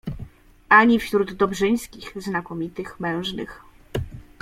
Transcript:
Ani wśród Dobrzyńskich, znakomitych mężnych